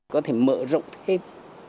có thể mở rộng thêm